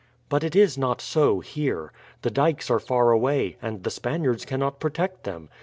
"But it is not so here. The dykes are far away, and the Spaniards cannot protect them.